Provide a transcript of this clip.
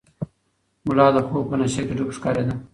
ملا د خوب په نشه کې ډوب ښکارېده.